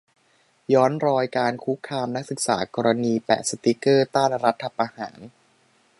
ย้อนรอยการคุกคามนักศึกษา กรณีแปะสติ๊กเกอร์ต้านรัฐประหาร